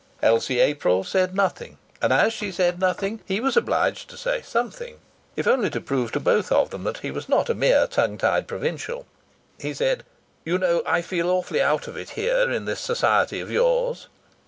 Elsie April said nothing. And as she said nothing he was obliged to say something, if only to prove to both of them that he was not a mere tongue tied provincial. He said: "You know I feel awfully out of it here in this Society of yours!"